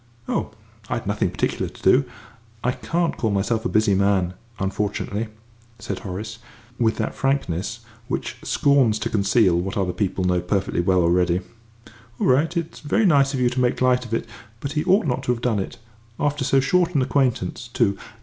"Oh, I'd nothing particular to do. I can't call myself a busy man unfortunately," said Horace, with that frankness which scorns to conceal what other people know perfectly well already. "Ah, well, it's very nice of you to make light of it; but he ought not to have done it after so short an acquaintance, too.